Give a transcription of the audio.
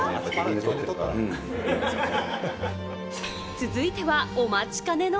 続いてはお待ちかねの。